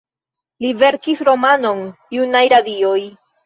Li verkis romanon, "Junaj radioj".